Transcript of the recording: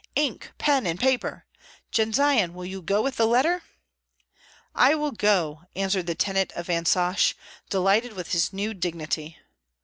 Ink, pen, and paper! Jendzian, will you go with the letter?" "I will go!" answered the tenant of Vansosh, delighted with his new dignity.